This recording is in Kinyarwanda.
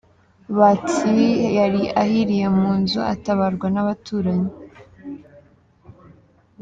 Bahati yari ahiriye mu nzu atabarwa nabaturanyi